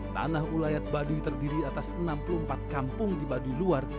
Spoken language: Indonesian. tanah ulayat baduy terdiri atas enam puluh empat kampung di baduy luar